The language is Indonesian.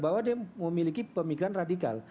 bahwa dia memiliki pemikiran radikal